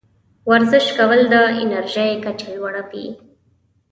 ورزش کول د انرژۍ کچه لوړوي.